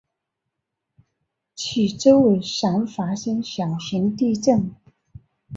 其周围常发生小型地震。